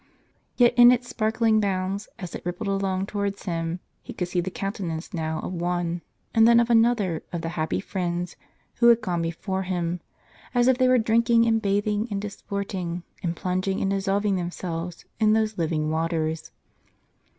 Yet in its sparkling bounds, as it rippled along towards him, he could see the countenance now of one, and then of another of the happy friends who had gone before him ; as if they w^ere drinking, and bathing, and disporting, and plunging, and dissolving themselves in those living waters.